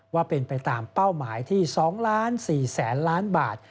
ว่าเป็นไปตามเป้าหมายที่๒๔๐๐๐ล้านบาท